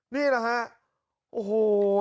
นี่แหละฮะโอ้โห